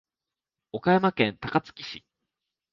岡山県高梁市